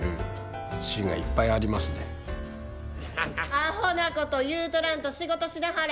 アホなこと言うとらんと仕事しなはれ。